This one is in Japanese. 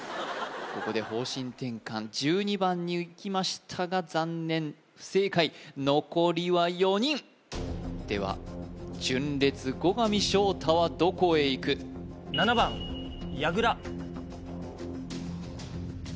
ここで方針転換１２番にいきましたが残念不正解残りは４人では純烈後上翔太はどこへいく７番やぐら